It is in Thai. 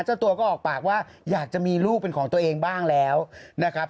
เจ้าตัวก็ออกปากว่าอยากจะมีลูกเป็นของตัวเองบ้างแล้วนะครับ